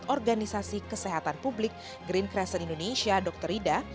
dari organisasi kesehatan publik green crescent indonesia dr ida